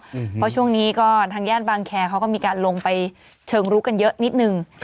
เพราะช่วงนี้ก็ทางย่านบางแคร์เขาก็มีการลงไปเชิงลุกกันเยอะนิดนึง